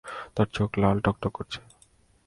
তার চোখ লাল টকটক করছে।